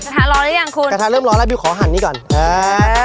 กระทะรอได้ยังคุณกระทะเริ่มร้อนแล้ววิวขอหันนี่ก่อนอ่า